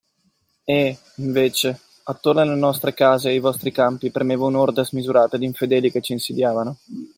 E, invece, attorno alle nostre case e ai nostri campi premeva un’orda smisurata d’infedeli che c’insidiavano.